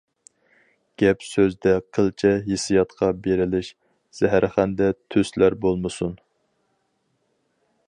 گەپ-سۆزدە قىلچە ھېسسىياتقا بېرىلىش، زەھەرخەندە تۈسلەر بولمىسۇن.